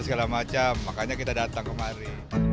segala macam makanya kita datang kemari